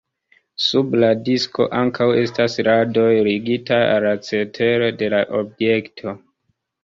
Sub la disko ankaŭ estas radoj ligitaj al la cetero de la objekto.